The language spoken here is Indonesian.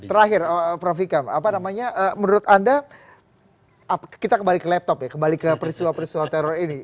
terakhir prof ikam apa namanya menurut anda kita kembali ke laptop ya kembali ke peristiwa peristiwa teror ini